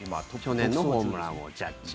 去年のホームラン王ジャッジ。